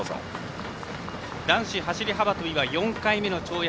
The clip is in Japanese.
男子走り幅跳びは４回目の跳躍